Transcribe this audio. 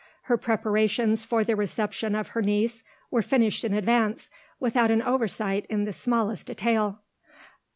Her preparations for the reception of her niece were finished in advance, without an oversight in the smallest detail.